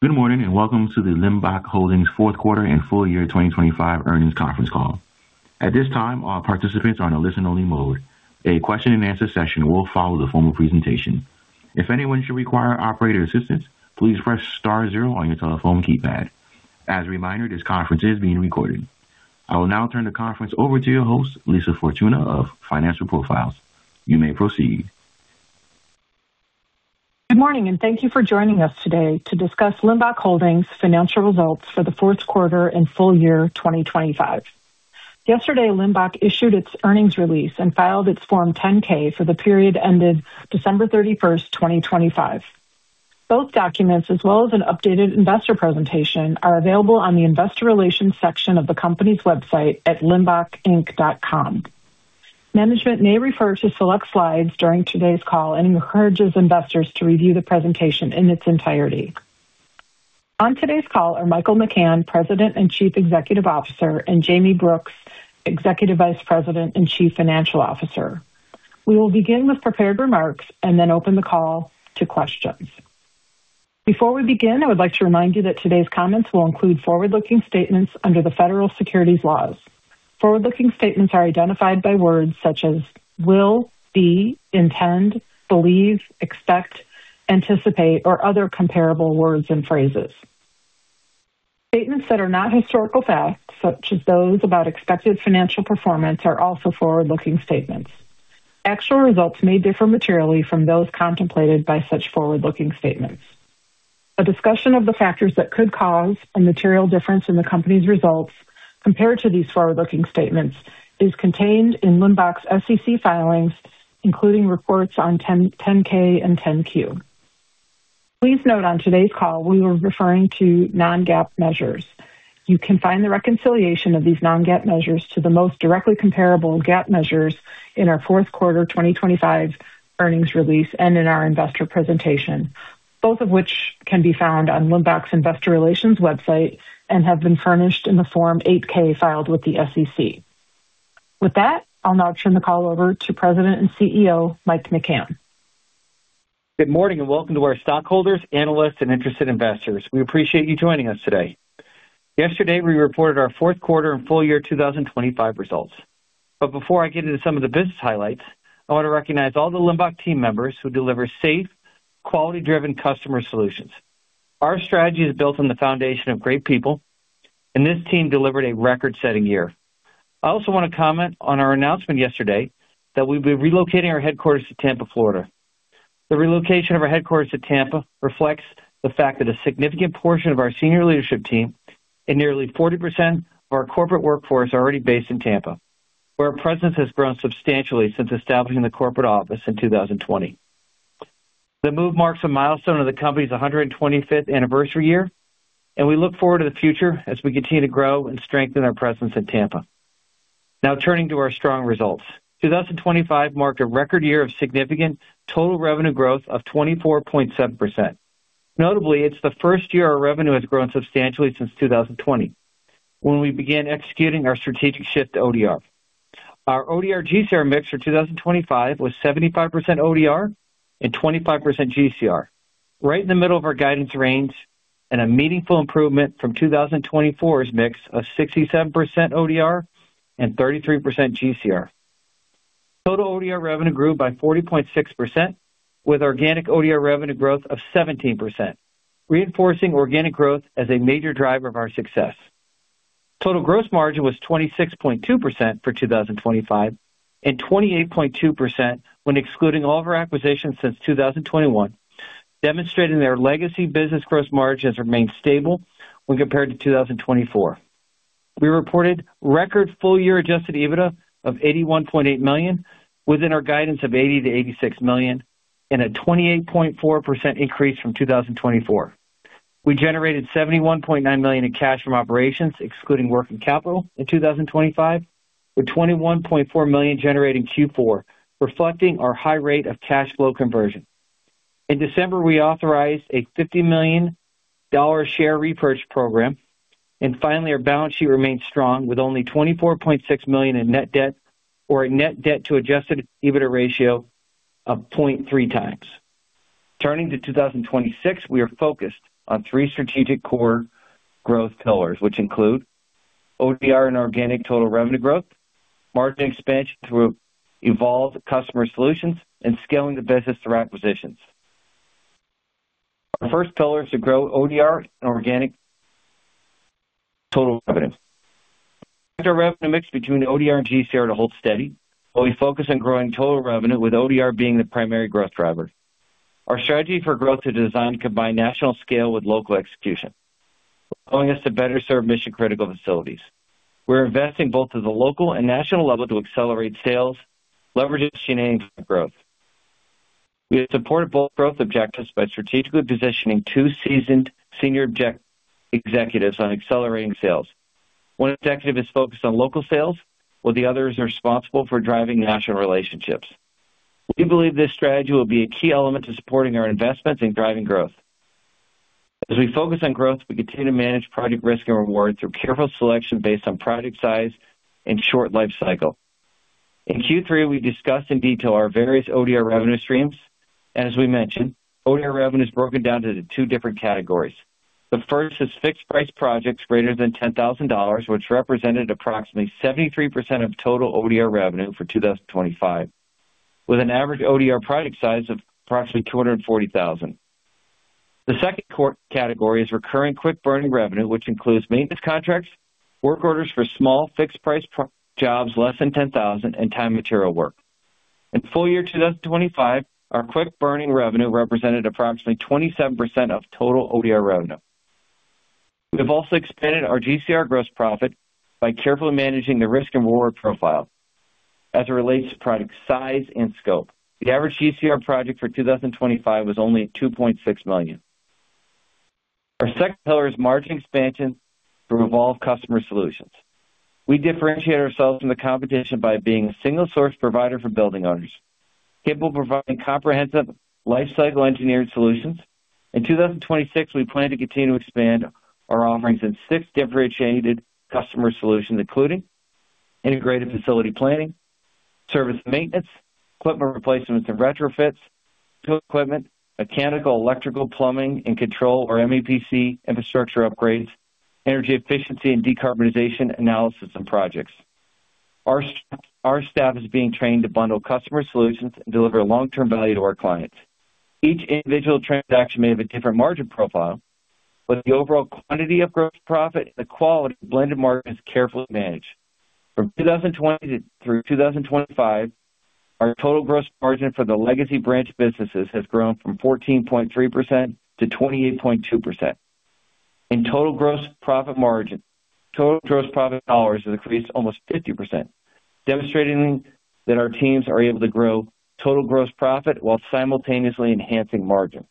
Good morning, welcome to the Limbach Holdings fourth quarter and full year 2025 earnings conference call. At this time, all participants are in a listen-only mode. A question-and-answer session will follow the formal presentation. If anyone should require operator assistance, please press star zero on your telephone keypad. As a reminder, this conference is being recorded. I will now turn the conference over to your host, Lisa Fortuna of Financial Profiles. You may proceed. Good morning, thank you for joining us today to discuss Limbach Holdings financial results for the fourth quarter and full year 2025. Yesterday, Limbach issued its earnings release filed its Form 10-K for the period ended December 31st, 2025. Both documents, as well as an updated investor presentation, are available on the investor relations section of the company's website at limbachinc.com. Management may refer to select slides during today's call and encourages investors to review the presentation in its entirety. On today's call are Michael McCann, President and Chief Executive Officer, Jayme Brooks, Executive Vice President and Chief Financial Officer. We will begin with prepared remarks open the call to questions. Before we begin, I would like to remind you that today's comments will include forward-looking statements under the federal securities laws. Forward-looking statements are identified by words such as will, be, intend, believe, expect, anticipate, or other comparable words and phrases. Statements that are not historical facts, such as those about expected financial performance, are also forward-looking statements. Actual results may differ materially from those contemplated by such forward-looking statements. A discussion of the factors that could cause a material difference in the company's results compared to these forward-looking statements is contained in Limbach's SEC filings, including reports on 10-K and 10-Q. Please note on today's call, we were referring to non-GAAP measures. You can find the reconciliation of these non-GAAP measures to the most directly comparable GAAP measures in our fourth quarter 2025 earnings release and in our investor presentation, both of which can be found on Limbach's investor relations website and have been furnished in the Form 8-K filed with the SEC. With that, I'll now turn the call over to President and CEO Mike McCann. Good morning, welcome to our stockholders, analysts, and interested investors. We appreciate you joining us today. Yesterday, we reported our fourth quarter and full year 2025 results. Before I get into some of the business highlights, I want to recognize all the Limbach team members who deliver safe, quality-driven customer solutions. Our strategy is built on the foundation of great people, and this team delivered a record-setting year. I also want to comment on our announcement yesterday that we'll be relocating our headquarters to Tampa, Florida. The relocation of our headquarters to Tampa reflects the fact that a significant portion of our senior leadership team and nearly 40% of our corporate workforce are already based in Tampa, where our presence has grown substantially since establishing the corporate office in 2020. The move marks a milestone of the company's 125th anniversary year. We look forward to the future as we continue to grow and strengthen our presence in Tampa. Now turning to our strong results. 2025 marked a record year of significant total revenue growth of 24.7%. Notably, it's the first year our revenue has grown substantially since 2020, when we began executing our strategic shift to ODR. Our ODR GCR mix for 2025 was 75% ODR and 25% GCR, right in the middle of our guidance range and a meaningful improvement from 2024's mix of 67% ODR and 33% GCR. Total ODR revenue grew by 40.6%, with organic ODR revenue growth of 17%, reinforcing organic growth as a major driver of our success. Total gross margin was 26.2% for 2025 and 28.2% when excluding all of our acquisitions since 2021, demonstrating that our legacy business gross margins remain stable when compared to 2024. We reported record full-year adjusted EBITDA of $81.8 million within our guidance of $80 million-$86 million and a 28.4% increase from 2024. We generated $71.9 million in cash from operations excluding working capital in 2025, with $21.4 million generated in Q4, reflecting our high rate of cash flow conversion. In December, we authorized a $50 million share repurchase program. Finally, our balance sheet remains strong with only $24.6 million in net debt or a net debt to adjusted EBITDA ratio of 0.3x. Turning to 2026, we are focused on three strategic core growth pillars, which include ODR and organic total revenue growth, margin expansion through evolved customer solutions, and scaling the business through acquisitions. Our first pillar is to grow ODR and organic total revenue. Expect our revenue mix between ODR and GCR to hold steady while we focus on growing total revenue with ODR being the primary growth driver. Our strategy for growth is designed to combine national scale with local execution, allowing us to better serve mission-critical facilities. We're investing both at the local and national level to accelerate sales, leveraging growth. We have supported both growth objectives by strategically positioning two seasoned senior executives on accelerating sales. 1 executive is focused on local sales, while the other is responsible for driving national relationships. We believe this strategy will be a key element to supporting our investments and driving growth. As we focus on growth, we continue to manage project risk and reward through careful selection based on project size and short life cycle. In Q3, we discussed in detail our various ODR revenue streams. As we mentioned, ODR revenue is broken down into two different categories. The first is fixed price projects greater than $10,000, which represented approximately 73% of total ODR revenue for 2025, with an average ODR project size of approximately $240,000. The second category is recurring quick burning revenue, which includes maintenance contracts, work orders for small fixed price jobs less than $10,000 in time material work. In full year 2025, our quick burning revenue represented approximately 27% of total ODR revenue. We have also expanded our GCR gross profit by carefully managing the risk and reward profile as it relates to project size and scope. The average GCR project for 2025 was only $2.6 million. Our second pillar is margin expansion through evolved customer solutions. We differentiate ourselves from the competition by being a single source provider for building owners, capable of providing comprehensive life cycle engineered solutions. In 2026, we plan to continue to expand our offerings in six differentiated customer solutions, including integrated facility planning, service maintenance, equipment replacements and retrofits, equipment, mechanical, electrical, plumbing and control or MEPC infrastructure upgrades, energy efficiency and decarbonization analysis and projects. Our staff is being trained to bundle customer solutions and deliver long-term value to our clients. Each individual transaction may have a different margin profile, but the overall quantity of gross profit and the quality of blended margin is carefully managed. From 2020 to through 2025, our total gross margin for the legacy branch businesses has grown from 14.3% to 28.2%. In total gross profit margin, total gross profit dollars has increased almost 50%, demonstrating that our teams are able to grow total gross profit while simultaneously enhancing margin.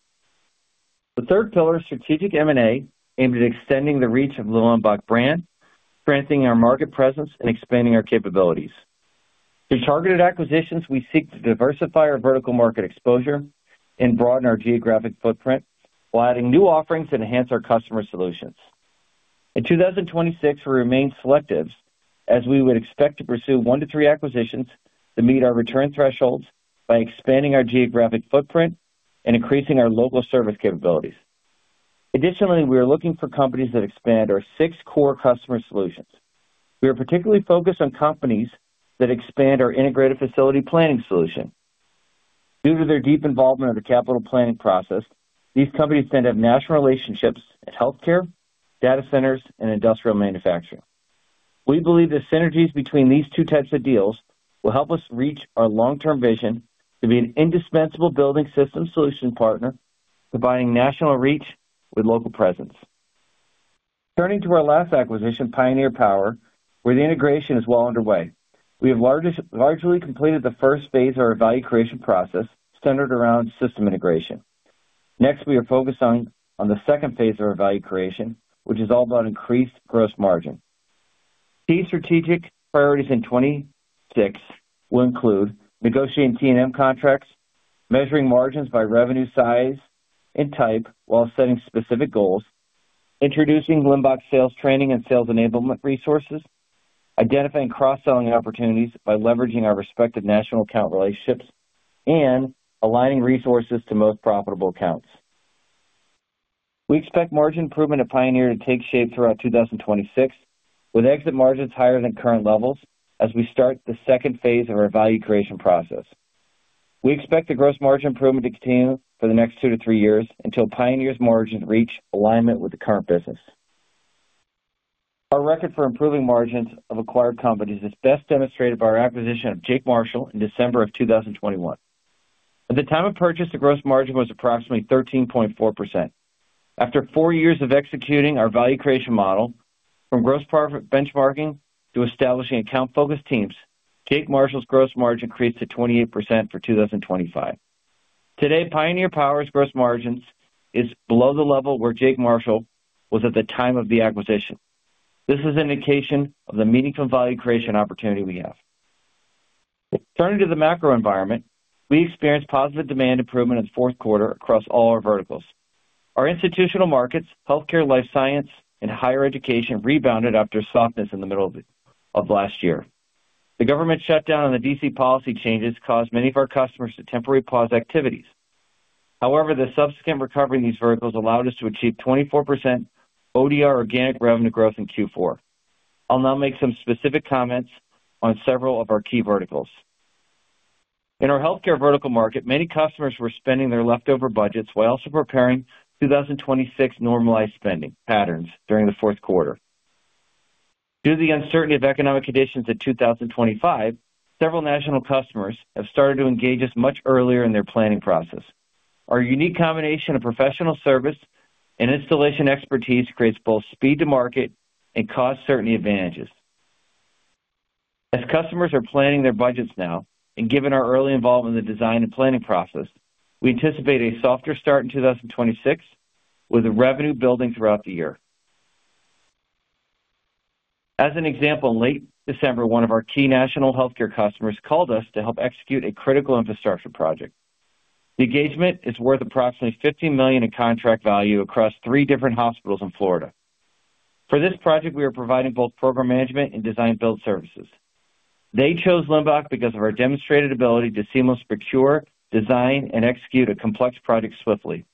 The third pillar is strategic M&A, aimed at extending the reach of the Limbach brand, strengthening our market presence and expanding our capabilities. Through targeted acquisitions, we seek to diversify our vertical market exposure and broaden our geographic footprint while adding new offerings that enhance our customer solutions. In 2026, we remain selective as we would expect to pursue one to three acquisitions that meet our return thresholds by expanding our geographic footprint and increasing our local service capabilities. Additionally, we are looking for companies that expand our six core customer solutions. We are particularly focused on companies that expand our integrated facility planning solution. Due to their deep involvement in the capital planning process, these companies tend to have national relationships in healthcare, data centers and industrial manufacturing. We believe the synergies between these two types of deals will help us reach our long-term vision to be an indispensable building system solution partner, providing national reach with local presence. Turning to our last acquisition, Pioneer Power, where the integration is well underway. We have largely completed the first phase of our value creation process centered around system integration. Next, we are focused on the second phase of our value creation, which is all about increased gross margin. Key strategic priorities in 26 will include negotiating T&M contracts, measuring margins by revenue size and type while setting specific goals, introducing Limbach sales training and sales enablement resources, identifying cross-selling opportunities by leveraging our respective national account relationships, and aligning resources to most profitable accounts. We expect margin improvement at Pioneer to take shape throughout 2026, with exit margins higher than current levels as we start the second phase of our value creation process. We expect the gross margin improvement to continue for the next two or three years until Pioneer's margins reach alignment with the current business. Our record for improving margins of acquired companies is best demonstrated by our acquisition of Jake Marshall in December of 2021. At the time of purchase, the gross margin was approximately 13.4%. After four years of executing our value creation model, from benchmarking to establishing account focused teams, Jake Marshall's gross margin increased to 28% for 2025. Today, Pioneer Power's gross margins is below the level where Jake Marshall was at the time of the acquisition. This is an indication of the meaningful value creation opportunity we have. Turning to the macro environment, we experienced positive demand improvement in the fourth quarter across all our verticals. Our institutional markets, healthcare, life science, and higher education rebounded after softness in the middle of last year. The government shutdown and the D.C. policy changes caused many of our customers to temporarily pause activities. The subsequent recovery in these verticals allowed us to achieve 24% ODR organic revenue growth in Q4. I'll now make some specific comments on several of our key verticals. In our healthcare vertical market, many customers were spending their leftover budgets while also preparing 2026 normalized spending patterns during the fourth quarter. Due to the uncertainty of economic conditions in 2025, several national customers have started to engage us much earlier in their planning process. Our unique combination of professional service and installation expertise creates both speed to market and cost certainty advantages. As customers are planning their budgets now and given our early involvement in the design and planning process, we anticipate a softer start in 2026 with the revenue building throughout the year. As an example, in late December, one of our key national healthcare customers called us to help execute a critical infrastructure project. The engagement is worth approximately $15 million in contract value across three different hospitals in Florida. For this project, we are providing both program management and design build services. They chose Limbach because of our demonstrated ability to seamlessly procure, design, and execute a complex project swiftly.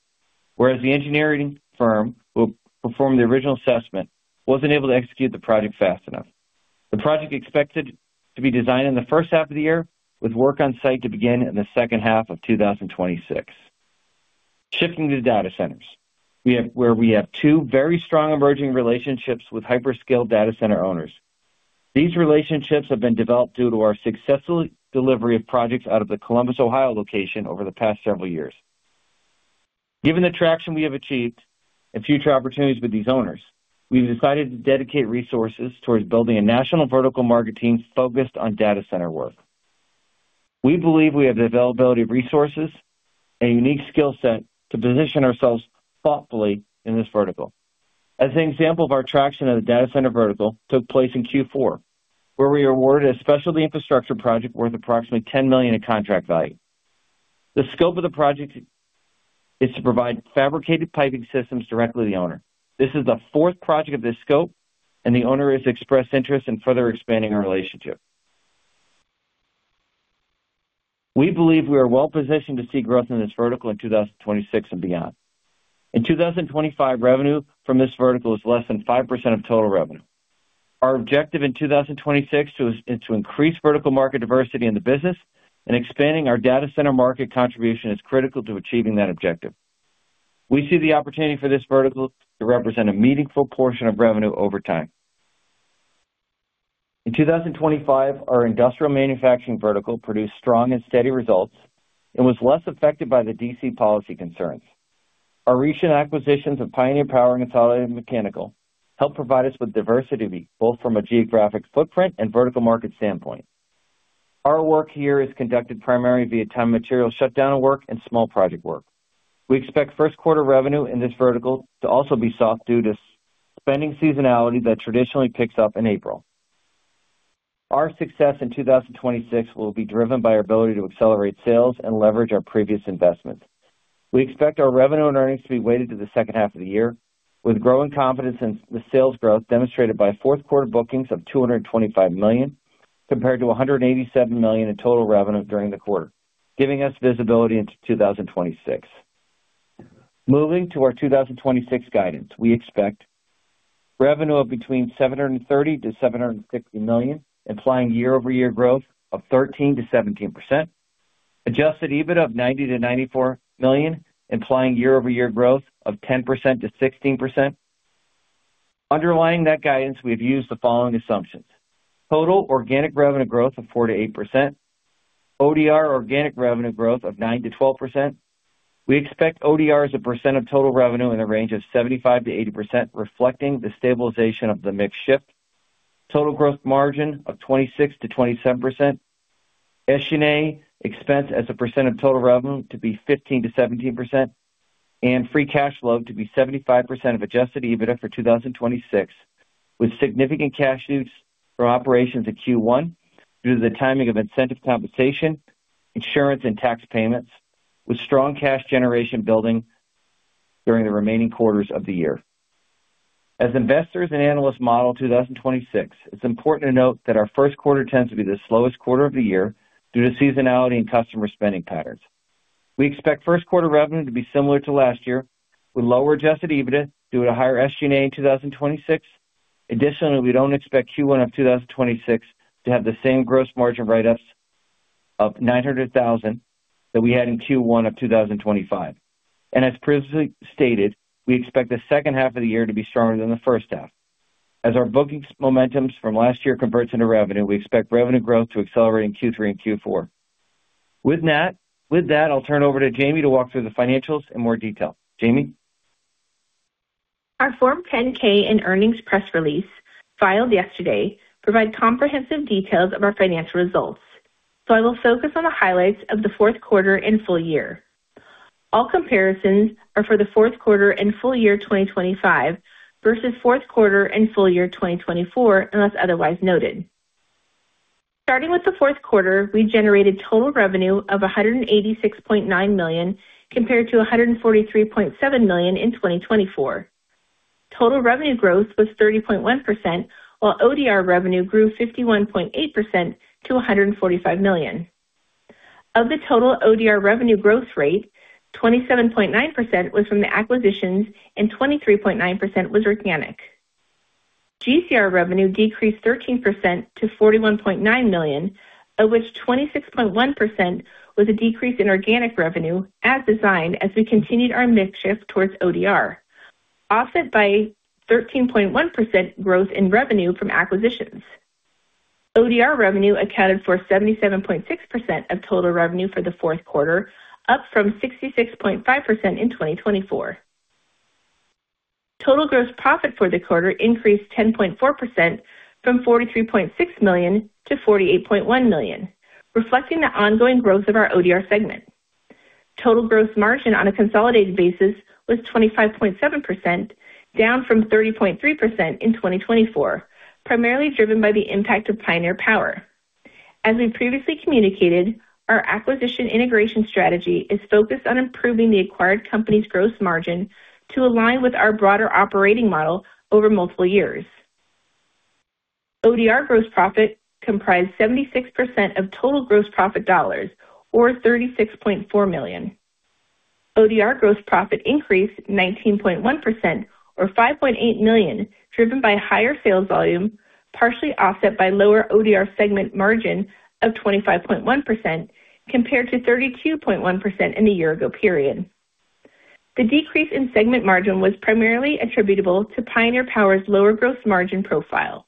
Whereas the engineering firm who performed the original assessment wasn't able to execute the project fast enough. The project expected to be designed in the first half of the year, with work on site to begin in the second half of 2026. Shifting to data centers, where we have two very strong emerging relationships with hyperscale data center owners. These relationships have been developed due to our successful delivery of projects out of the Columbus, Ohio location over the past several years. Given the traction we have achieved and future opportunities with these owners, we've decided to dedicate resources towards building a national vertical market team focused on data center work. We believe we have the availability of resources and unique skill set to position ourselves thoughtfully in this vertical. As an example of our traction as a data center vertical took place in Q4, where we were awarded a specialty infrastructure project worth approximately $10 million in contract value. The scope of the project is to provide fabricated piping systems directly to the owner. This is the fourth project of this scope, and the owner has expressed interest in further expanding our relationship. We believe we are well positioned to see growth in this vertical in 2026 and beyond. In 2025, revenue from this vertical is less than 5% of total revenue. Our objective in 2026 is to increase vertical market diversity in the business. Expanding our data center market contribution is critical to achieving that objective. We see the opportunity for this vertical to represent a meaningful portion of revenue over time. In 2025, our industrial manufacturing vertical produced strong and steady results and was less affected by the DC policy concerns. Our recent acquisitions of Pioneer Power and Consolidated Mechanical help provide us with diversity both from a geographic footprint and vertical market standpoint. Our work here is conducted primarily via time material shutdown work and small project work. We expect first quarter revenue in this vertical to also be soft due to spending seasonality that traditionally picks up in April. Our success in 2026 will be driven by our ability to accelerate sales and leverage our previous investments. We expect our revenue and earnings to be weighted to the second half of the year with growing confidence in the sales growth demonstrated by fourth quarter bookings of $225 million, compared to $187 million in total revenue during the quarter, giving us visibility into 2026. Moving to our 2026 guidance, we expect revenue of between $730 million-$760 million, implying year-over-year growth of 13%-17%. Adjusted EBITDA of $90 million-$94 million, implying year-over-year growth of 10%-16%. Underlying that guidance, we've used the following assumptions. Total organic revenue growth of 4%-8%. ODR organic revenue growth of 9%-12%. We expect ODR as a percent of total revenue in the range of 75%-80%, reflecting the stabilization of the mix shift. Total growth margin of 26%-27%. SG&A expense as a % of total revenue to be 15%-17%, and free cash flow to be 75% of adjusted EBITDA for 2026, with significant cash use from operations in Q1 due to the timing of incentive compensation, insurance and tax payments, with strong cash generation building during the remaining quarters of the year. As investors and analysts model 2026, it's important to note that our first quarter tends to be the slowest quarter of the year due to seasonality in customer spending patterns. We expect first quarter revenue to be similar to last year, with lower adjusted EBITDA due to higher SG&A in 2026. Additionally, we don't expect Q1 of 2026 to have the same gross margin write-ups of $900,000 that we had in Q1 of 2025. As previously stated, we expect the second half of the year to be stronger than the first half. As our bookings momentums from last year converts into revenue, we expect revenue growth to accelerate in Q3 and Q4. With that, I'll turn over to Jayme to walk through the financials in more detail. Jayme? Our Form 10-K and earnings press release filed yesterday provide comprehensive details of our financial results. I will focus on the highlights of the fourth quarter and full year. All comparisons are for the fourth quarter and full year 2025 versus fourth quarter and full year 2024, unless otherwise noted. Starting with the fourth quarter, we generated total revenue of $186.9 million compared to $143.7 million in 2024. Total revenue growth was 30.1%, while ODR revenue grew 51.8% to $145 million. Of the total ODR revenue growth rate, 27.9% was from the acquisitions and 23.9% was organic. GCR revenue decreased 13% to $41.9 million, of which 26.1% was a decrease in organic revenue as designed as we continued our mix shift towards ODR, offset by 13.1% growth in revenue from acquisitions. ODR revenue accounted for 77.6% of total revenue for the fourth quarter, up from 66.5% in 2024. Total gross profit for the quarter increased 10.4% from $43.6 million-$48.1 million, reflecting the ongoing growth of our ODR segment. Total gross margin on a consolidated basis was 25.7%, down from 30.3% in 2024, primarily driven by the impact of Pioneer Power. As we previously communicated, our acquisition integration strategy is focused on improving the acquired company's gross margin to align with our broader operating model over multiple years. ODR gross profit comprised 76% of total gross profit dollars or $36.4 million. ODR gross profit increased 19.1% or $5.8 million, driven by higher sales volume, partially offset by lower ODR segment margin of 25.1% compared to 32.1% in the year ago period. The decrease in segment margin was primarily attributable to Pioneer Power's lower gross margin profile.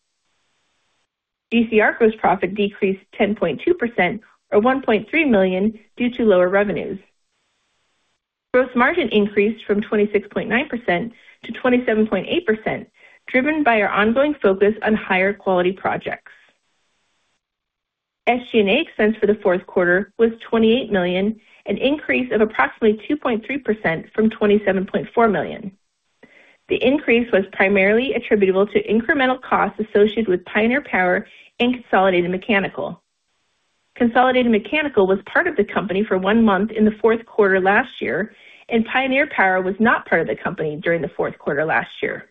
GCR gross profit decreased 10.2% or $1.3 million due to lower revenues. Gross margin increased from 26.9%-27.8%, driven by our ongoing focus on higher quality projects. SG&A expense for the fourth quarter was $28 million, an increase of approximately 2.3% from $27.4 million. The increase was primarily attributable to incremental costs associated with Pioneer Power and Consolidated Mechanical. Consolidated Mechanical was part of the company for one month in the fourth quarter last year, and Pioneer Power was not part of the company during the fourth quarter last year.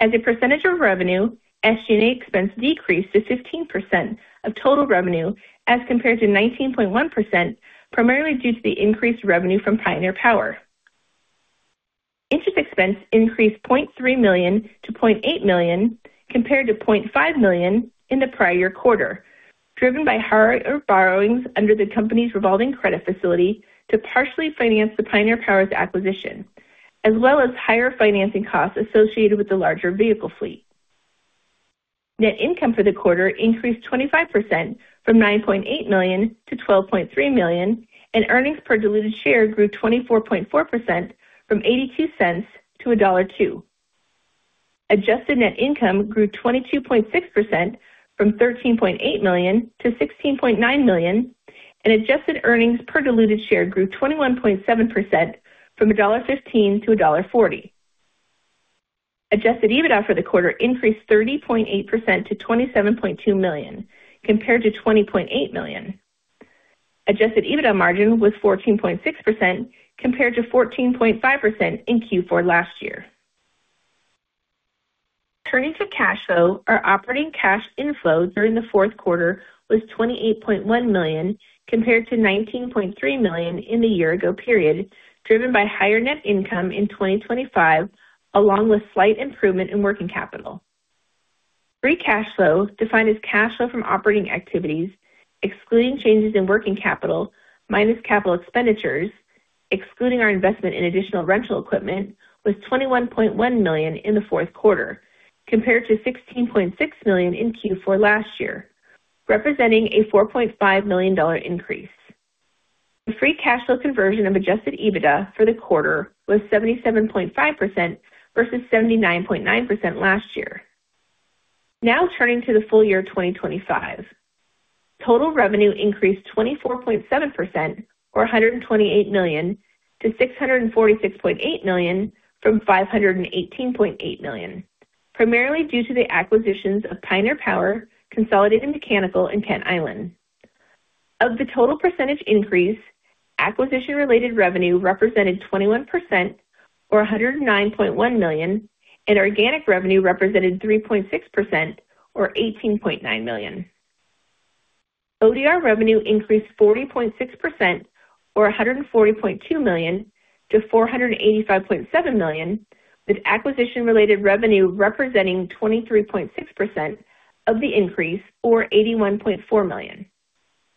As a percentage of revenue, SG&A expense decreased to 15% of total revenue as compared to 19.1%, primarily due to the increased revenue from Pioneer Power. Interest expense increased $0.3 million-$0.8 million, compared to $0.5 million in the prior year quarter, driven by higher borrowings under the company's revolving credit facility to partially finance the Pioneer Power's acquisition, as well as higher financing costs associated with the larger vehicle fleet. Net income for the quarter increased 25% from $9.8 million-$12.3 million, and earnings per diluted share grew 24.4% from $0.82-$1.02. Adjusted net income grew 22.6% from $13.8 million-$16.9 million, and adjusted earnings per diluted share grew 21.7% from $1.15-$1.40. Adjusted EBITDA for the quarter increased 30.8% to $27.2 million compared to $20.8 million. Adjusted EBITDA margin was 14.6% compared to 14.5% in Q4 last year. Turning to cash flow, our operating cash inflow during the fourth quarter was $28.1 million compared to $19.3 million in the year ago period, driven by higher net income in 2025 along with slight improvement in working capital. Free cash flow, defined as cash flow from operating activities, excluding changes in working capital minus capital expenditures, excluding our investment in additional rental equipment, was $21.1 million in the fourth quarter compared to $16.6 million in Q4 last year, representing a $4.5 million increase. The free cash flow conversion of Adjusted EBITDA for the quarter was 77.5% versus 79.9% last year. Turning to the full year 2025. Total revenue increased 24.7% or $128 million-$646.8 million from $518.8 million, primarily due to the acquisitions of Pioneer Power, Consolidated Mechanical and Kent Island. Of the total percentage increase, acquisition related revenue represented 21% or $109.1 million, and organic revenue represented 3.6% or $18.9 million. ODR revenue increased 40.6% or $140.2 million-$485.7 million, with acquisition related revenue representing 23.6% of the increase or $81.4 million.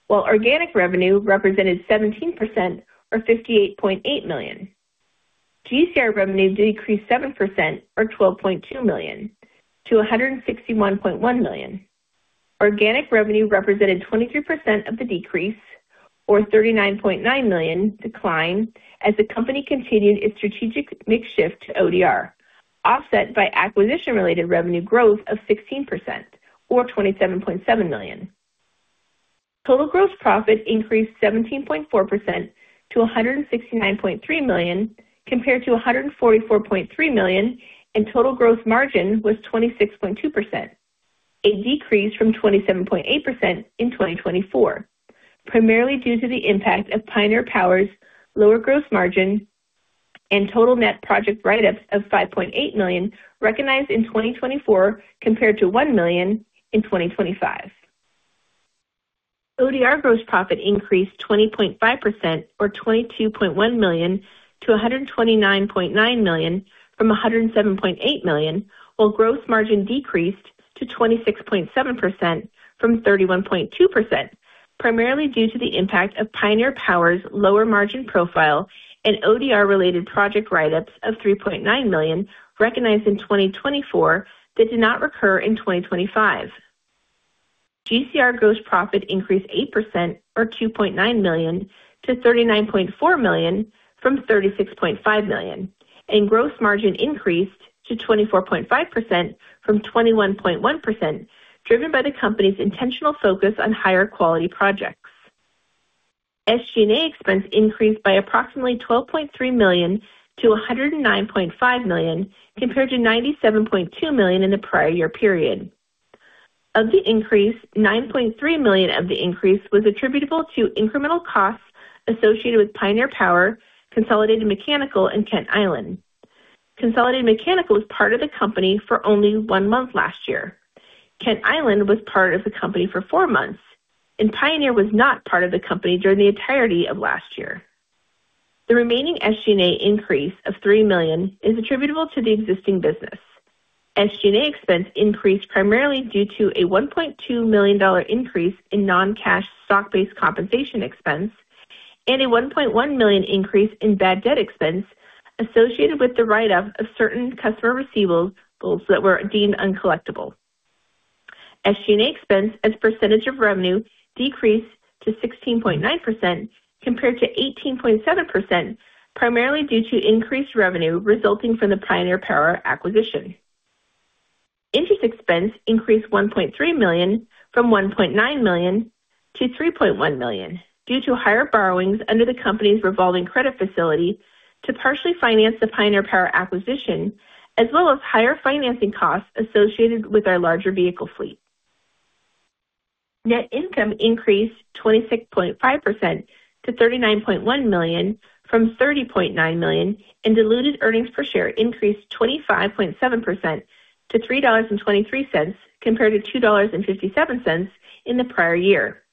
Organic revenue represented 17% or $58.8 million. GCR revenue decreased 7% or $12.2 million-$161.1 million. Organic revenue represented 23% of the decrease or $39.9 million decline as the company continued its strategic mix shift to ODR, offset by acquisition related revenue growth of 16% or $27.7 million. Total gross profit increased 17.4% to $169.3 million compared to $144.3 million, and total gross margin was 26.2%, a decrease from 27.8% in 2024, primarily due to the impact of Pioneer Power's lower gross margin and total net project write-ups of $5.8 million recognized in 2024 compared to $1 million in 2025. ODR gross profit increased 20.5% or $22.1 million-$129.9 million from $107.8 million. While gross margin decreased to 26.7% from 31.2%, primarily due to the impact of Pioneer Power's lower margin profile and ODR related project write-ups of $3.9 million recognized in 2024 that did not recur in 2025. GCR gross profit increased 8% or $2.9 million-$39.4 million from $36.5 million, and gross margin increased to 24.5% from 21.1%, driven by the company's intentional focus on higher quality projects. SG&A expense increased by approximately $12.3 million-$109.5 million compared to $97.2 million in the prior year period. Of the increase, $9.3 million of the increase was attributable to incremental costs associated with Pioneer Power, Consolidated Mechanical and Kent Island. Consolidated Mechanical was part of the company for only 1 month last year. Kent Island was part of the company for four months. Pioneer was not part of the company during the entirety of last year. The remaining SG&A increase of $3 million is attributable to the existing business. SG&A expense increased primarily due to a $1.2 million increase in non-cash stock-based compensation expense and a $1.1 million increase in bad debt expense associated with the write-up of certain customer receivables that were deemed uncollectible. SG&A expense as a percentage of revenue decreased to 16.9% compared to 18.7%, primarily due to increased revenue resulting from the Pioneer Power acquisition. Interest expense increased $1.3 million from $1.9 million-$3.1 million due to higher borrowings under the company's revolving credit facility to partially finance the Pioneer Power acquisition, as well as higher financing costs associated with our larger vehicle fleet. Net income increased 26.5% to $39.1 million from $30.9 million and diluted earnings per share increased 25.7% to $3.23 compared to $2.57 in the prior year.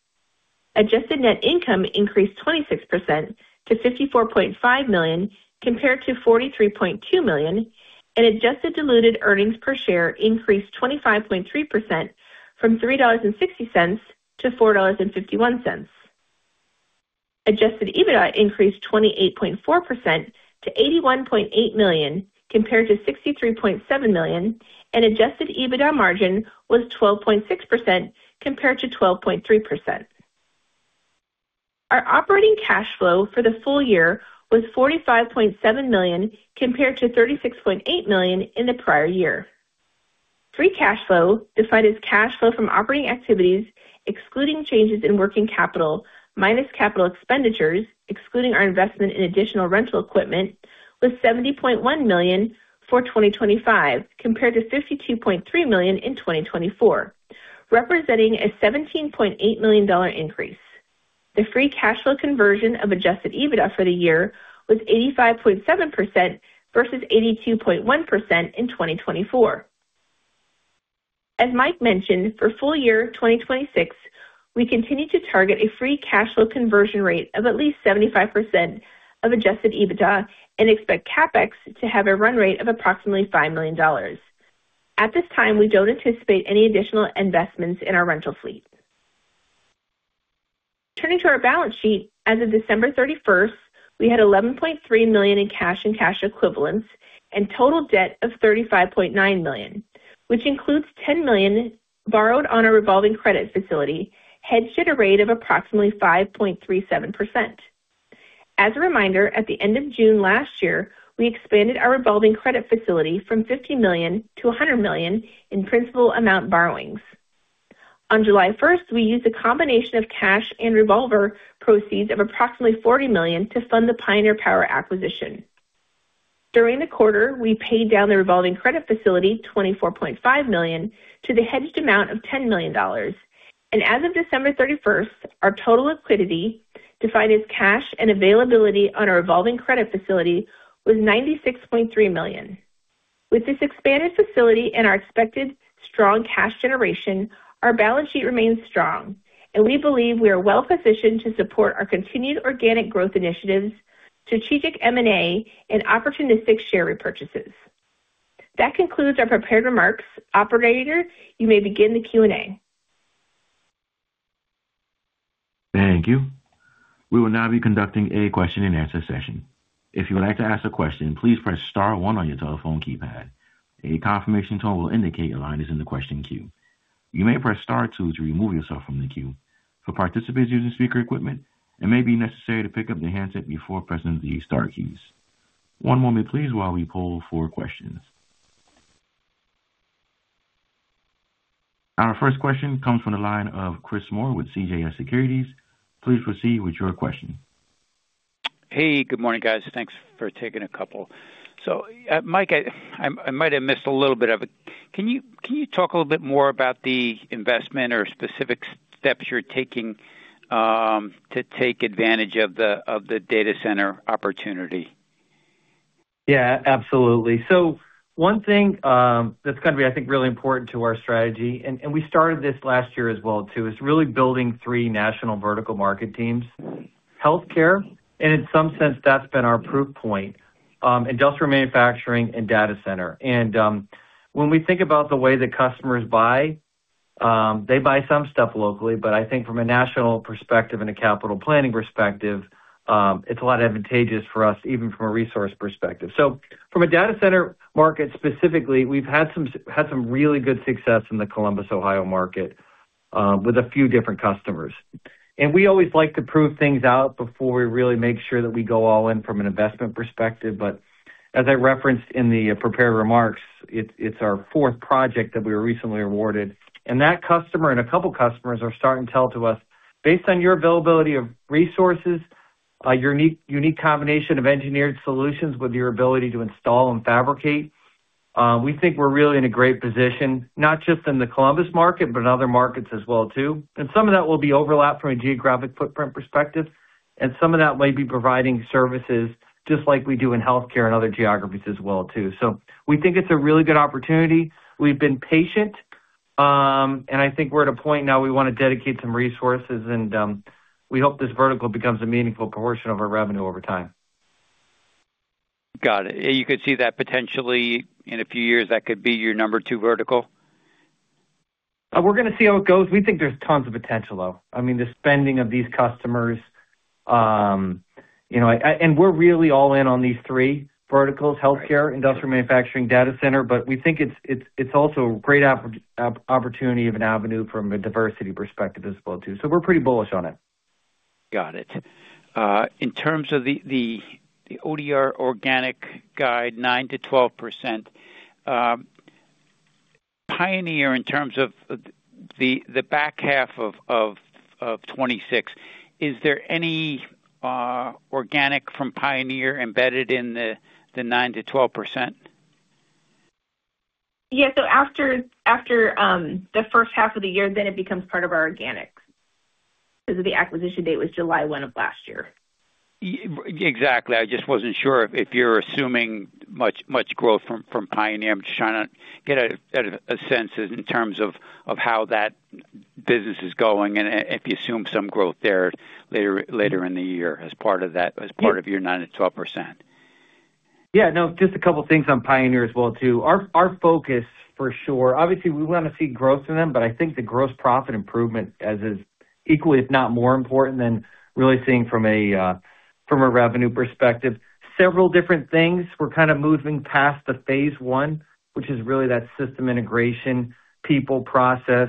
Adjusted net income increased 26% to $54.5 million compared to $43.2 million and adjusted diluted earnings per share increased 25.3% from $3.60 to $4.51. Adjusted EBITDA increased 28.4% to $81.8 million compared to $63.7 million and adjusted EBITDA margin was 12.6% compared to 12.3%. Our operating cash flow for the full year was $45.7 million compared to $36.8 million in the prior year. Free cash flow, defined as cash flow from operating activities, excluding changes in working capital minus CapEx, excluding our investment in additional rental equipment, was $70.1 million for 2025 compared to $52.3 million in 2024, representing a $17.8 million increase. The free cash flow conversion of adjusted EBITDA for the year was 85.7% versus 82.1% in 2024. As Mike mentioned, for full year 2026, we continue to target a free cash flow conversion rate of at least 75% of adjusted EBITDA and expect CapEx to have a run rate of approximately $5 million. At this time, we don't anticipate any additional investments in our rental fleet. Turning to our balance sheet, as of December 31st, we had $11.3 million in cash and cash equivalents and total debt of $35.9 million, which includes $10 million borrowed on a revolving credit facility hedged at a rate of approximately 5.37%. As a reminder, at the end of June last year, we expanded our revolving credit facility from $50 million-$100 million in principal amount borrowings. On July 1st, we used a combination of cash and revolver proceeds of approximately $40 million to fund the Pioneer Power acquisition. During the quarter, we paid down the revolving credit facility $24.5 million to the hedged amount of $10 million. As of December 31st, our total liquidity, defined as cash and availability on our revolving credit facility, was $96.3 million. With this expanded facility and our expected strong cash generation, our balance sheet remains strong and we believe we are well positioned to support our continued organic growth initiatives, strategic M&A and opportunistic share repurchases. That concludes our prepared remarks. Operator, you may begin the Q&A. Thank you. We will now be conducting a question and answer session. If you would like to ask a question, please press star one on your telephone keypad. A confirmation tone will indicate your line is in the question queue. You may press star two to remove yourself from the queue. For participants using speaker equipment, it may be necessary to pick up the handset before pressing the star keys. One moment please while we poll for questions. Our first question comes from the line of Chris Moore with CJS Securities. Please proceed with your question. Hey, good morning, guys. Thanks for taking a couple. Mike, I might have missed a little bit of it. Can you talk a little bit more about the investment or specific steps you're taking, to take advantage of the data center opportunity? Yeah, absolutely. One thing that's going to be, I think, really important to our strategy, and we started this last year as well too, is really building three national vertical market teams. Healthcare, and in some sense that's been our proof point, industrial manufacturing and data center. When we think about the way that customers buy, they buy some stuff locally, but I think from a national perspective and a capital planning perspective, it's a lot advantageous for us even from a resource perspective. From a data center market specifically, we've had some really good success in the Columbus, Ohio market with a few different customers. We always like to prove things out before we really make sure that we go all in from an investment perspective. As I referenced in the prepared remarks, it's our fourth project that we were recently awarded, and that customer and a couple of customers are starting to tell to us, based on your availability of resources, your unique combination of engineered solutions with your ability to install and fabricate, we think we're really in a great position, not just in the Columbus market, but in other markets as well too. Some of that will be overlap from a geographic footprint perspective, and some of that might be providing services just like we do in healthcare and other geographies as well too. We think it's a really good opportunity. We've been patient, and I think we're at a point now we want to dedicate some resources, and we hope this vertical becomes a meaningful portion of our revenue over time. Got it. You could see that potentially in a few years, that could be your number two vertical? We're gonna see how it goes. We think there's tons of potential, though. I mean, the spending of these customers. You know, and we're really all in on these three verticals: healthcare, industrial manufacturing, data center. We think it's also a great opportunity of an avenue from a diversity perspective as well too. We're pretty bullish on it. Got it. In terms of the ODR organic guide, 9%-12%. Pioneer in terms of the back half of 2026, is there any organic from Pioneer embedded in the 9%-12%? Yeah. After the first half of the year, then it becomes part of our organics because the acquisition date was July 1 of last year. Exactly. I just wasn't sure if you're assuming much growth from Pioneer. I'm just trying to get a sense in terms of how that business is going and if you assume some growth there later in the year as part of your 9%-12%. Yeah. No, just a couple of things on Pioneer as well too. Our focus for sure. Obviously, we want to see growth in them, but I think the gross profit improvement as equally, if not more important than really seeing from a revenue perspective, several different things. We're kind of moving past the phase one, which is really that system integration, people process,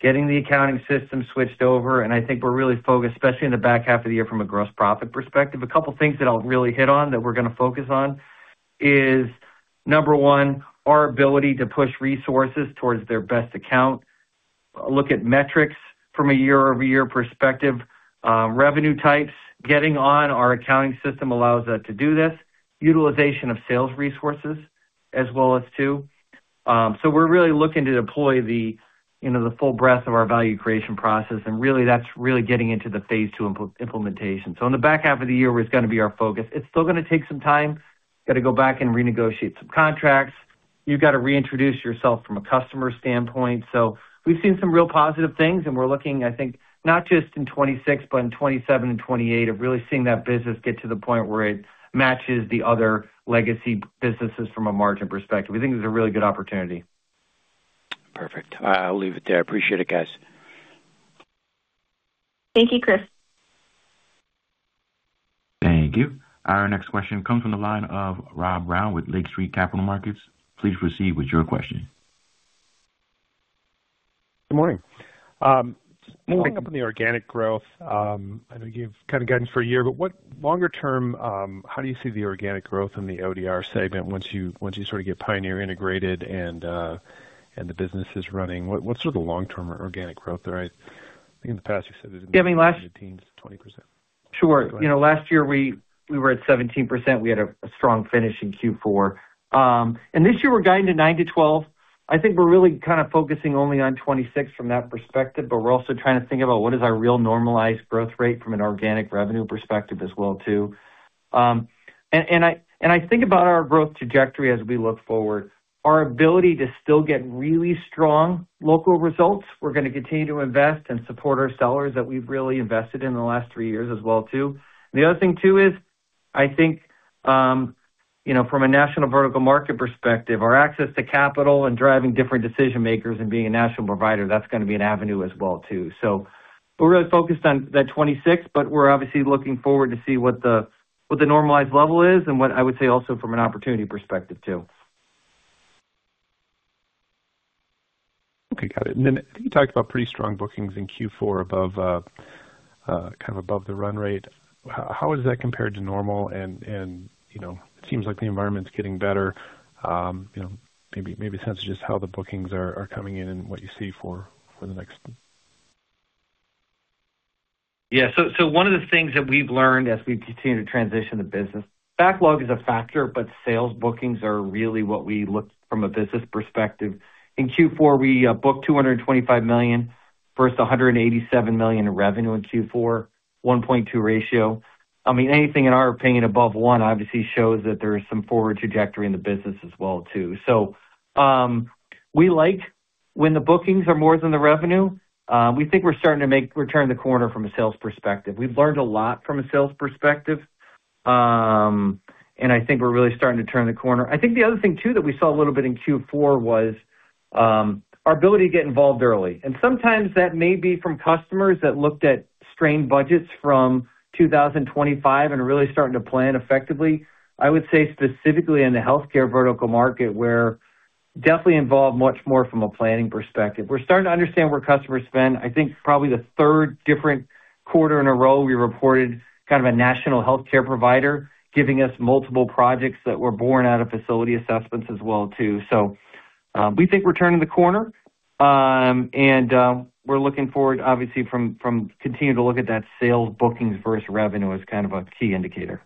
getting the accounting system switched over. I think we're really focused, especially in the back half of the year from a gross profit perspective. A couple of things that I'll really hit on that we're going to focus on is, number one, our ability to push resources towards their best account. Look at metrics from a year-over-year perspective, revenue types. Getting on our accounting system allows us to do this. Utilization of sales resources as well too. We're really looking to deploy the, you know, the full breadth of our value creation process. Really that's really getting into the phase two implementation. In the back half of the year is going to be our focus. It's still going to take some time. Got to go back and renegotiate some contracts. You've got to reintroduce yourself from a customer standpoint. We've seen some real positive things, and we're looking, I think, not just in 2026, but in 2027 and 2028 of really seeing that business get to the point where it matches the other legacy businesses from a margin perspective. We think it's a really good opportunity. Perfect. I'll leave it there. Appreciate it, guys. Thank you, Chris. Thank you. Our next question comes from the line of Rob Brown with Lake Street Capital Markets. Please proceed with your question. Good morning. Following up on the organic growth, I think you've kind of gotten for a year, but what longer term, how do you see the organic growth in the ODR segment once you sort of get Pioneer integrated and the business is running? What's the long-term organic growth there? I think in the past you said it was. Yeah, I mean 17%-20%. Sure. You know, last year we were at 17%. We had a strong finish in Q4. This year we're guiding to 9%-12%. I think we're really kind of focusing only on 2026 from that perspective, but we're also trying to think about what is our real normalized growth rate from an organic revenue perspective as well too. I think about our growth trajectory as we look forward, our ability to still get really strong local results. We're going to continue to invest and support our sellers that we've really invested in the last 3 years as well too. The other thing too is I think, you know, from a national vertical market perspective, our access to capital and driving different decision makers and being a national provider, that's going to be an avenue as well too. We're really focused on that 2026, but we're obviously looking forward to see what the normalized level is and what I would say also from an opportunity perspective too. Okay, got it. Then I think you talked about pretty strong bookings in Q4 above, kind of above the run rate. How does that compare to normal? You know, it seems like the environment's getting better, you know, maybe sense just how the bookings are coming in and what you see for the next. Yeah. So one of the things that we've learned as we continue to transition the business, backlog is a factor, but sales bookings are really what we look from a business perspective. In Q4, we booked $225 million versus $187 million in revenue in Q4, 1.2 ratio. I mean, anything in our opinion above one obviously shows that there is some forward trajectory in the business as well too. We like when the bookings are more than the revenue. We think we're turning the corner from a sales perspective. We've learned a lot from a sales perspective, and I think we're really starting to turn the corner. I think the other thing too that we saw a little bit in Q4 was our ability to get involved early. Sometimes that may be from customers that looked at strained budgets from 2025 and really starting to plan effectively. I would say specifically in the healthcare vertical market where definitely involve much more from a planning perspective. We're starting to understand where customers spend. I think probably the third different quarter in a row, we reported kind of a national healthcare provider giving us multiple projects that were born out of facility assessments as well too. We think we're turning the corner, and we're looking forward obviously from continuing to look at that sales bookings versus revenue as kind of a key indicator.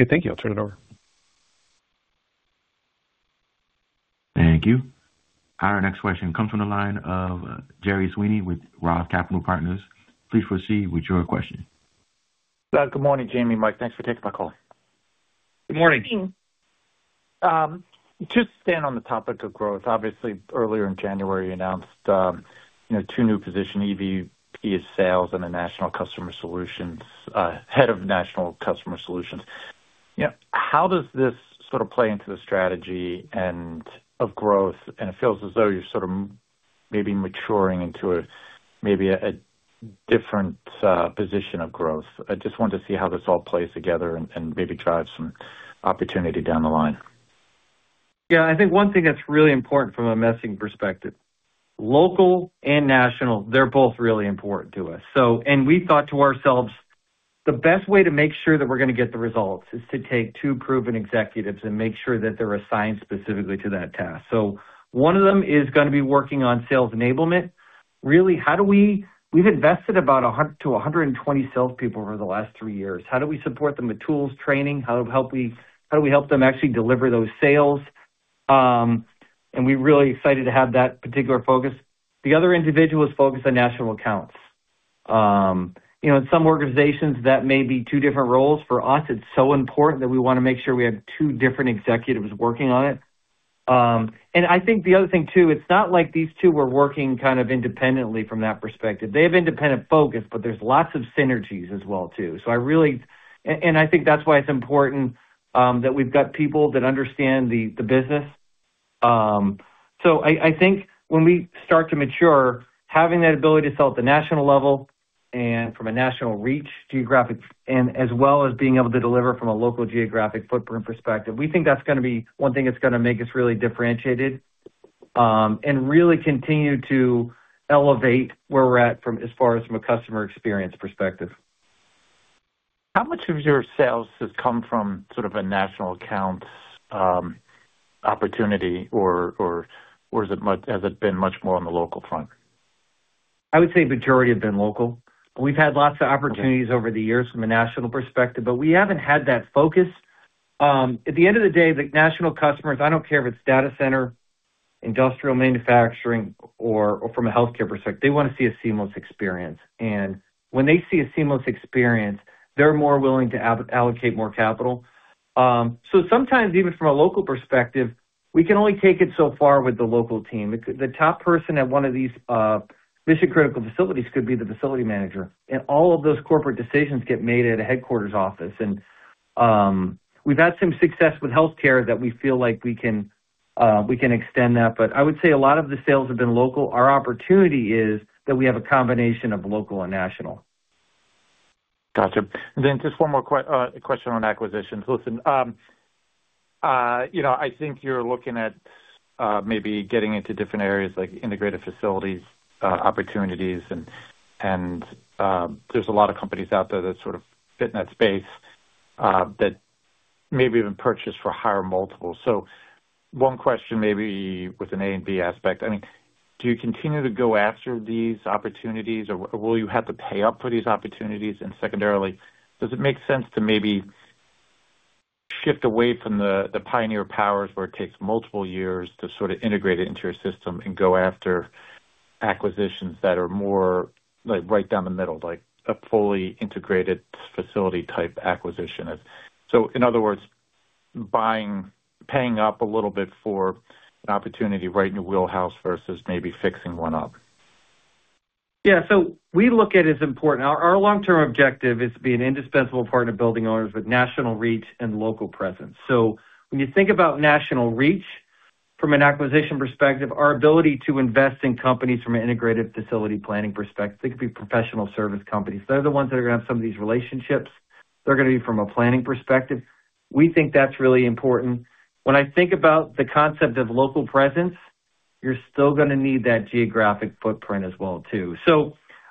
Okay. Thank you. I'll turn it over. Thank you. Our next question comes from the line of Gerry Sweeney with ROTH Capital Partners. Please proceed with your question. Good morning, Jayme, Mike, thanks for taking my call. Good morning. To stand on the topic of growth, obviously earlier in January, you announced, you know, two new position, EVP of Sales and a National Customer Solutions, Head of National Customer Solutions. You know, how does this sort of play into the strategy and of growth? It feels as though you're sort of maybe maturing into a, maybe a different position of growth. I just wanted to see how this all plays together and maybe drive some opportunity down the line. Yeah. I think one thing that's really important from a messing perspective, local and national, they're both really important to us. We thought to ourselves, the best way to make sure that we're gonna get the results is to take two proven executives and make sure that they're assigned specifically to that task. One of them is gonna be working on sales enablement. Really, how do we? We've invested about 120 salespeople over the last three years. How do we support them with tools, training? How do we help them actually deliver those sales? We're really excited to have that particular focus. The other individual is focused on national accounts. You know, in some organizations, that may be two different roles. For us, it's so important that we wanna make sure we have two different executives working on it. I think the other thing, too, it's not like these two were working kind of independently from that perspective. They have independent focus, but there's lots of synergies as well too. I think that's why it's important that we've got people that understand the business. I think when we start to mature, having that ability to sell at the national level and from a national reach geographic and as well as being able to deliver from a local geographic footprint perspective, we think that's gonna be one thing that's gonna make us really differentiated and really continue to elevate where we're at from, as far as from a customer experience perspective. How much of your sales has come from sort of a national accounts opportunity or has it been much more on the local front? I would say majority have been local. We've had lots of opportunities- Okay. over the years from a national perspective, but we haven't had that focus. At the end of the day, the national customers, I don't care if it's data center, industrial manufacturing or, from a healthcare perspective, they wanna see a seamless experience. When they see a seamless experience, they're more willing to allocate more capital. Sometimes even from a local perspective, we can only take it so far with the local team. The top person at one of these mission-critical facilities could be the facility manager, and all of those corporate decisions get made at a headquarters office. We've had some success with healthcare that we feel like we can extend that. I would say a lot of the sales have been local. Our opportunity is that we have a combination of local and national. Gotcha. Just one more question on acquisitions. Listen, you know, I think you're looking at maybe getting into different areas like integrated facilities, opportunities, and there's a lot of companies out there that sort of fit in that space that maybe even purchase for higher multiples. One question maybe with an A and B aspect, I mean, do you continue to go after these opportunities or will you have to pay up for these opportunities? Secondarily, does it make sense to maybe shift away from the Pioneer Power where it takes multiple years to sort of integrate it into your system and go after acquisitions that are more like right down the middle, like a fully integrated facility type acquisition? In other words, buying, paying up a little bit for an opportunity right in your wheelhouse versus maybe fixing one up. Yeah. We look at it as important. Our long-term objective is to be an indispensable partner to building owners with national reach and local presence. When you think about national reach from an acquisition perspective, our ability to invest in companies from an integrated facility planning perspective, they could be professional service companies. They're the ones that are gonna have some of these relationships. They're gonna be from a planning perspective. We think that's really important. When I think about the concept of local presence, you're still gonna need that geographic footprint as well, too.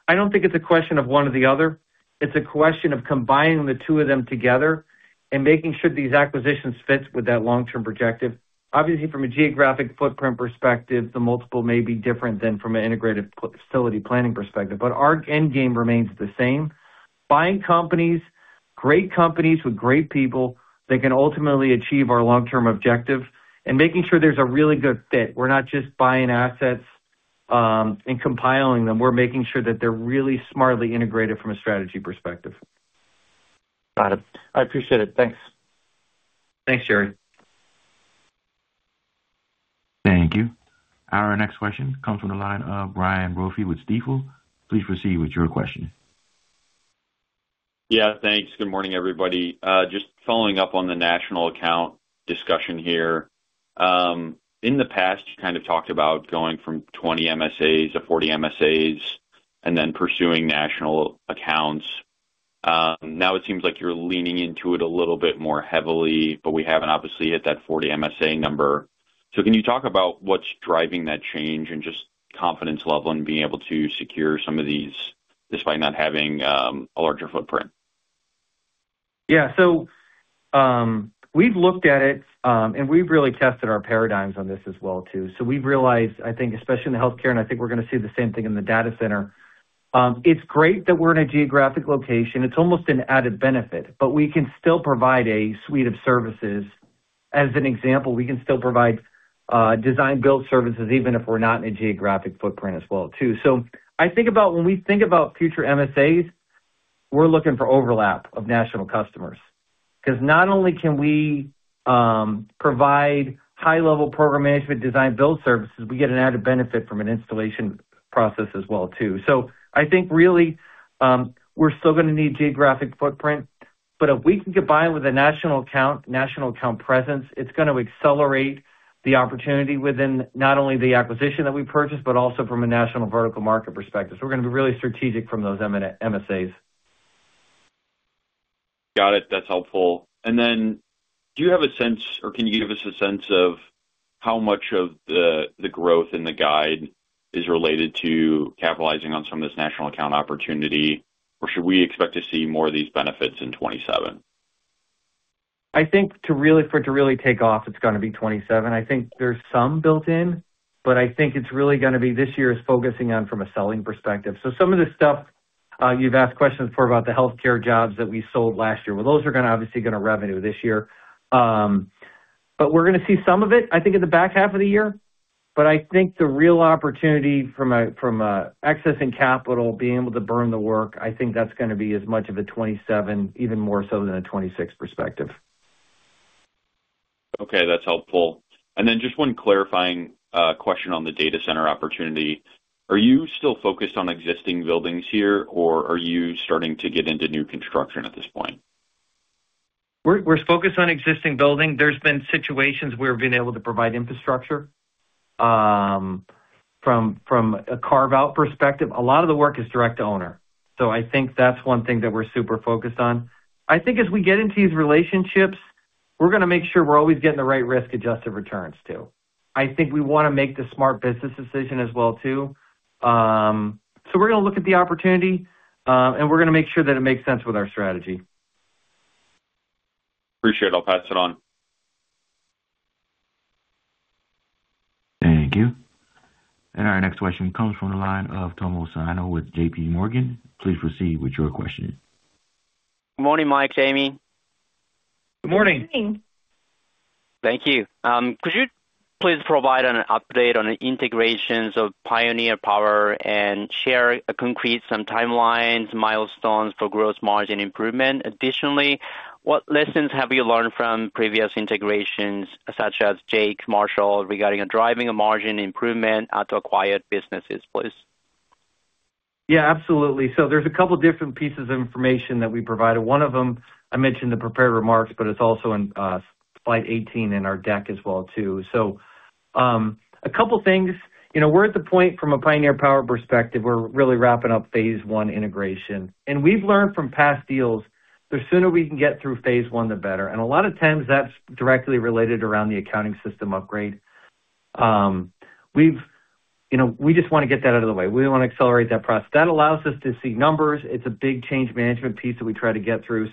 I don't think it's a question of one or the other. It's a question of combining the two of them together and making sure these acquisitions fits with that long-term objective. From a geographic footprint perspective, the multiple may be different than from an integrated facility planning perspective, but our end game remains the same. Buying companies, great companies with great people that can ultimately achieve our long-term objective and making sure there's a really good fit. We're not just buying assets, and compiling them. We're making sure that they're really smartly integrated from a strategy perspective. Got it. I appreciate it. Thanks. Thanks, Gerry. Thank you. Our next question comes from the line of Brian Brophy with Stifel. Please proceed with your question. Yeah, thanks. Good morning, everybody. Just following up on the national account discussion here. In the past, you kind of talked about going from 20 MSAs to 40 MSAs and then pursuing national accounts. Now it seems like you're leaning into it a little bit more heavily, but we haven't obviously hit that 40 MSA number. Can you talk about what's driving that change and just confidence level in being able to secure some of these despite not having a larger footprint? Yeah. We've looked at it, and we've really tested our paradigms on this as well too. We've realized, I think, especially in the healthcare, and I think we're gonna see the same thing in the data center, it's great that we're in a geographic location. It's almost an added benefit, but we can still provide a suite of services. As an example, we can still provide design build services even if we're not in a geographic footprint as well too. I think about when we think about future MSAs, we're looking for overlap of national customers. 'Cause not only can we provide high-level program management design build services, we get an added benefit from an installation process as well too. I think really, we're still gonna need geographic footprint, but if we can combine with a national account, national account presence, it's gonna accelerate the opportunity within not only the acquisition that we purchased, but also from a national vertical market perspective. We're gonna be really strategic from those MSAs. Got it. That's helpful. Do you have a sense or can you give us a sense of how much of the growth in the guide is related to capitalizing on some of this national account opportunity, or should we expect to see more of these benefits in 2027? I think for it to really take off, it's gonna be 2027. I think there's some built in, but I think it's really gonna be this year is focusing on from a selling perspective. some of the stuff you've asked questions for about the healthcare jobs that we sold last year. those are gonna obviously gonna revenue this year. we're gonna see some of it, I think, in the back half of the year. I think the real opportunity from a accessing capital, being able to burn the work, I think that's gonna be as much of a 2027, even more so than a 2026 perspective. Okay, that's helpful. Just one clarifying, question on the data center opportunity. Are you still focused on existing buildings here, or are you starting to get into new construction at this point? We're focused on existing building. There's been situations where we've been able to provide infrastructure, from a carve-out perspective. A lot of the work is direct to owner. I think that's one thing that we're super focused on. I think as we get into these relationships, we're gonna make sure we're always getting the right risk-adjusted returns too. I think we wanna make the smart business decision as well too. We're gonna look at the opportunity, and we're gonna make sure that it makes sense with our strategy. Appreciate it. I'll pass it on. Thank you. Our next question comes from the line of Tomohiko Sano with J.P. Morgan. Please proceed with your question. Morning, Mike, Jayme. Good morning. Morning. Thank you. Could you please provide an update on the integrations of Pioneer Power and share a concrete some timelines, milestones for gross margin improvement? Additionally, what lessons have you learned from previous integrations, such as Jake Marshall, regarding driving a margin improvement at acquired businesses, please? Yeah, absolutely. There's a couple different pieces of information that we provided. One of them I mentioned the prepared remarks, but it's also in slide 18 in our deck as well too. A couple things. You know, we're at the point from a Pioneer Power perspective, we're really wrapping up phase one integration. We've learned from past deals, the sooner we can get through phase one, the better. A lot of times that's directly related around the accounting system upgrade. You know, we just wanna get that out of the way. We wanna accelerate that process. That allows us to see numbers. It's a big change management piece that we try to get through.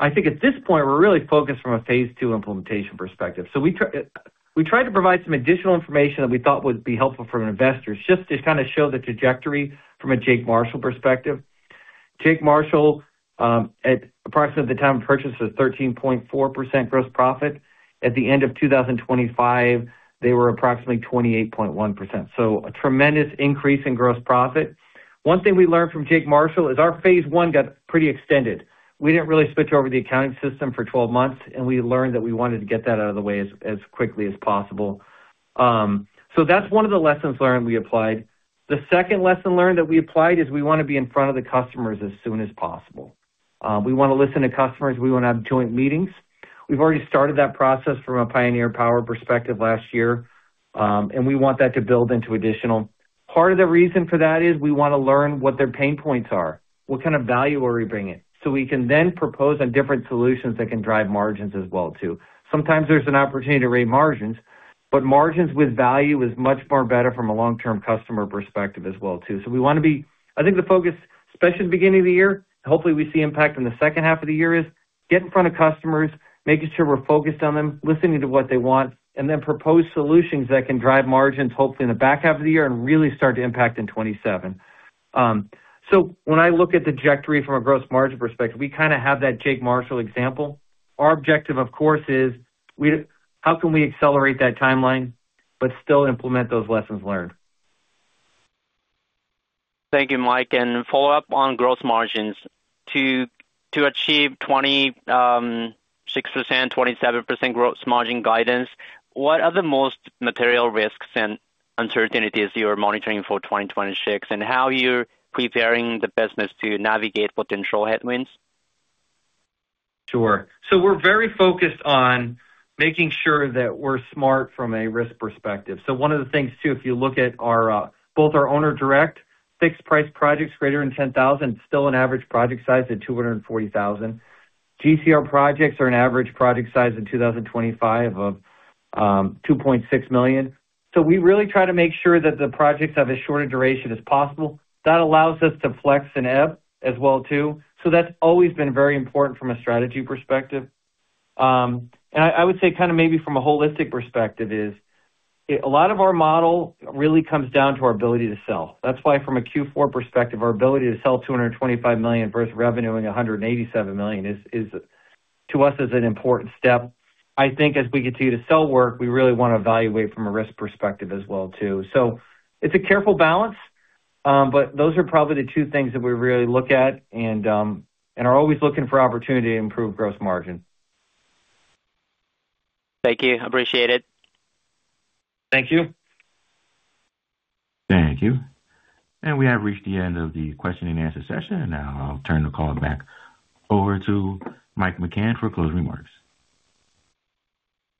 I think at this point, we're really focused from a phase two implementation perspective. We try to provide some additional information that we thought would be helpful for investors just to kind of show the trajectory from a Jake Marshall perspective. Jake Marshall, at approximately the time of purchase was 13.4% gross profit. At the end of 2025, they were approximately 28.1%, so a tremendous increase in gross profit. One thing we learned from Jake Marshall is our phase one got pretty extended. We didn't really switch over the accounting system for 12 months, and we learned that we wanted to get that out of the way as quickly as possible. That's one of the lessons learned we applied. The second lesson learned that we applied is we wanna be in front of the customers as soon as possible. We wanna listen to customers. We wanna have joint meetings. We've already started that process from a Pioneer Power perspective last year, we want that to build into additional. Part of the reason for that is we wanna learn what their pain points are, what kind of value are we bringing, so we can then propose on different solutions that can drive margins as well too. Sometimes there's an opportunity to raise margins with value is much more better from a long-term customer perspective as well too. I think the focus, especially the beginning of the year, hopefully we see impact in the second half of the year, is get in front of customers, making sure we're focused on them, listening to what they want, and then propose solutions that can drive margins, hopefully in the back half of the year and really start to impact in 2027. When I look at the trajectory from a gross margin perspective, we kinda have that Jake Marshall example. Our objective, of course, is how can we accelerate that timeline but still implement those lessons learned? Thank you, Mike. Follow up on growth margins. To achieve 26%, 27% growth margin guidance, what are the most material risks and uncertainties you're monitoring for 2026, and how you're preparing the business to navigate potential headwinds? Sure. We're very focused on making sure that we're smart from a risk perspective. One of the things too, if you look at our, both our owner direct fixed price projects greater than 10,000, still an average project size at $240,000. GCR projects are an average project size in 2025 of $2.6 million. We really try to make sure that the projects have as short a duration as possible. That allows us to flex and ebb as well too. That's always been very important from a strategy perspective. I would say kind of maybe from a holistic perspective is a lot of our model really comes down to our ability to sell. That's why from a Q4 perspective, our ability to sell $225 million versus revenue and $187 million is to us is an important step. I think as we continue to sell work, we really want to evaluate from a risk perspective as well too. It's a careful balance. Those are probably the two things that we really look at and are always looking for opportunity to improve gross margin. Thank you. Appreciate it. Thank you. Thank you. We have reached the end of the question and answer session. Now I'll turn the call back over to Mike McCann for closing remarks.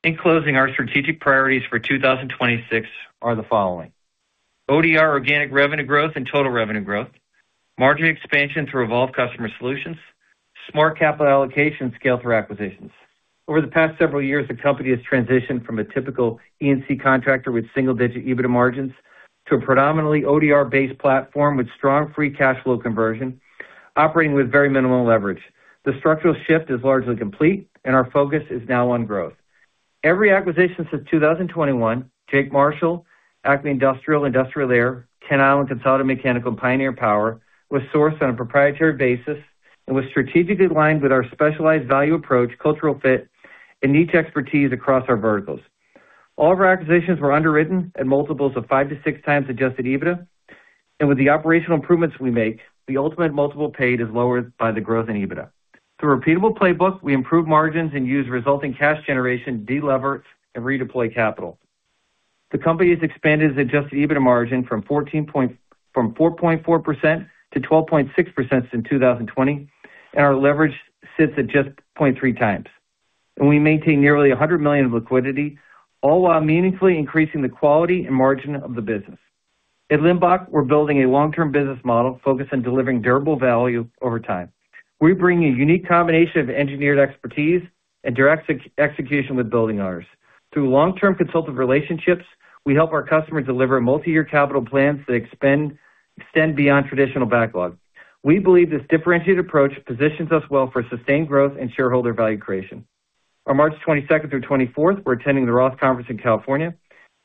In closing, our strategic priorities for 2026 are the following: ODR organic revenue growth and total revenue growth, margin expansion through evolved customer solutions, smart capital allocation, scale through acquisitions. Over the past several years, the company has transitioned from a typical E&C contractor with single-digit EBITDA margins to a predominantly ODR-based platform with strong free cash flow conversion, operating with very minimal leverage. The structural shift is largely complete. Our focus is now on growth. Every acquisition since 2021, Jake Marshall, ACME Industrial Air, Kent Island Consulting, Mechanical, and Pioneer Power, was sourced on a proprietary basis and was strategically aligned with our specialized value approach, cultural fit, and niche expertise across our verticals. All of our acquisitions were underwritten at multiples of 5x-6x adjusted EBITDA. With the operational improvements we make, the ultimate multiple paid is lowered by the growth in EBITDA. Through repeatable playbook, we improve margins and use resulting cash generation to delever and redeploy capital. The company has expanded its adjusted EBITDA margin from 4.4% to 12.6% since 2020, our leverage sits at just 0.3x. We maintain nearly $100 million of liquidity, all while meaningfully increasing the quality and margin of the business. At Limbach, we're building a long-term business model focused on delivering durable value over time. We bring a unique combination of engineered expertise and direct execution with building owners. Through long-term consultative relationships, we help our customers deliver multi-year capital plans that extend beyond traditional backlog. We believe this differentiated approach positions us well for sustained growth and shareholder value creation. On March 22nd through 24th, we're attending the ROTH Conference in California.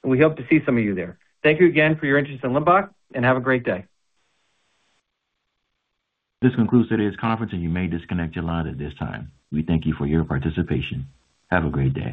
We hope to see some of you there. Thank you again for your interest in Limbach. Have a great day. This concludes today's conference, and you may disconnect your line at this time. We thank you for your participation. Have a great day.